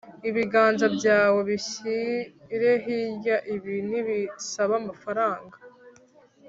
ibiganza byawe bishyire hirya ,ibi ntibisaba amafaranga,